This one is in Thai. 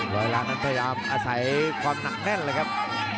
ร้อยล้านเททิ้งอาศัยความหนักแน่นเลยครับ